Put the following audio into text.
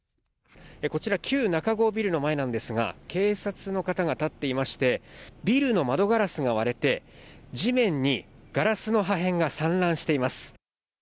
こちら、旧なかごうビルの前なんですが、警察の方が立っていまして、ビルの窓ガラスが割れて、地面にガラスの破片が散乱しています。